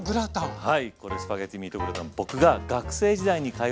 はい。